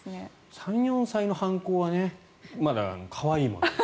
３４歳の反抗はねまだ可愛いもの。